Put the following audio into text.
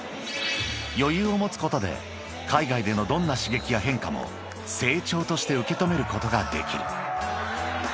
［余裕を持つことで海外でのどんな刺激や変化も成長として受け止めることができる］